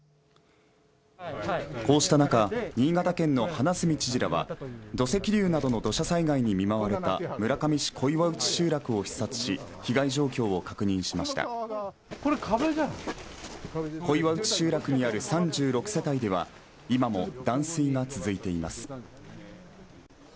こうした中、新潟県の花角知事らは土石流などの土砂災害に見舞われた村上市、小岩内集落を視察し被害状況を確認しました小岩内集落にある３６世帯では今も断水が続いています